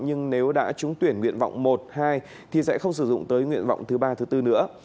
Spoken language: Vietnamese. nhưng nếu đã trúng tuyển nguyện vọng một hai thì sẽ không sử dụng tới nguyện vọng thứ ba thứ bốn nữa